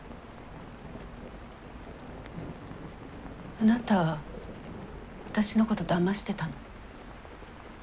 あなたは私のことだましてたの。